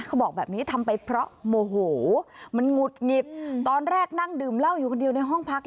เขาบอกแบบนี้ทำไปเพราะโมโหมันหงุดหงิดตอนแรกนั่งดื่มเหล้าอยู่คนเดียวในห้องพัก